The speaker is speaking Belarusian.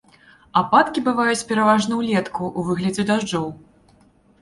Ападкі бываюць пераважна ўлетку ў выглядзе дажджоў.